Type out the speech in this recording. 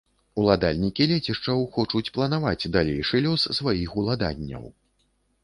Уладальнікі лецішчаў хочуць планаваць далейшы лёс сваіх уладанняў.